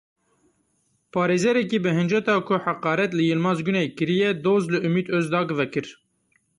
Parêzerekî bi hinceta ku heqaret li Yilmaz Guney kiriye doz li Umit Ozdag vekir.